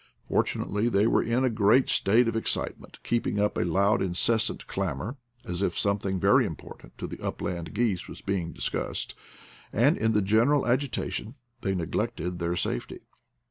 Fortunately 68 IDLE DAYS IN PATAGONIA they were in a great state of excitement, keeping up a loud incessant clamor, as if something very important to the upland geese was being dis cussed, and in the general agitation they neglected their safety.